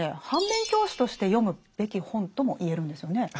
反面教師として読むべき本とも言えるんですよね。